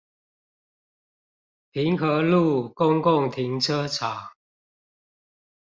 平和路公共停車場